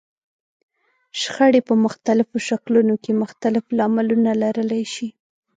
شخړې په مختلفو شکلونو کې مختلف لاملونه لرلای شي.